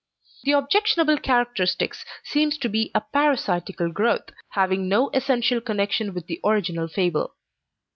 The objectionable characteristics seem to be a parasitical growth, having no essential connection with the original fable.